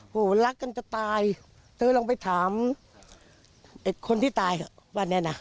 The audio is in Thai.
รักกันจะตายเธอลองไปถามไอ้คนที่ตายวันนี้นะ